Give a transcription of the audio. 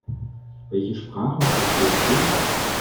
Welche Sprachen verstehst du?